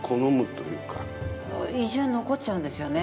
印象に残っちゃうんですよね。